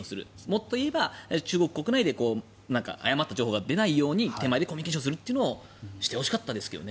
もっと言えば中国国内で誤った情報が出ないように手前でコミュニケーションするっていうのをしてほしかったですね。